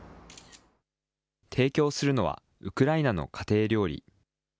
提供するのはウクライナの家庭料理。